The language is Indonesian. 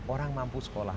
orang mampu sekolah